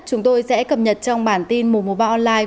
chúng tôi sẽ cập nhật trong bản tin mùa mùa ba online